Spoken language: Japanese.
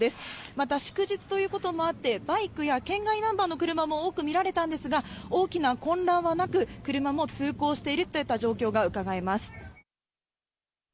また、祝日ということもあって、バイクや県外ナンバーの車も多く見られたんですが、大きな混乱はなく、車も通行しているといった状況がうかがえます。